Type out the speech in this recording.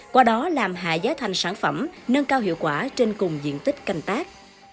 qua đó làm hạ giá thành sản phẩm nâng cao hiệu quả trên cùng diện tích canh tác